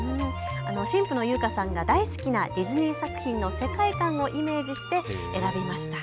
新婦の優香さんが大好きなディズニー作品の世界観をイメージして選びました。